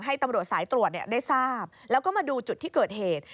ตำรวจสายตรวจได้ทราบแล้วก็มาดูจุดที่เกิดเหตุ